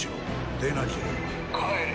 でなければ、帰れ。